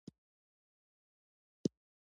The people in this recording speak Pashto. زردالو د افغانانو د ژوند طرز اغېزمنوي.